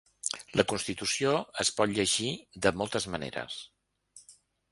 La constitució es pot llegir de moltes maneres.